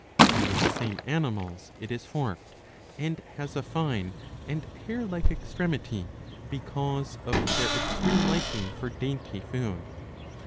In these same animals it is forked and has a fine and hair like extremity, because of their extreme liking for dainty food.